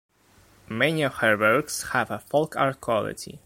Many of her works have a folk art quality.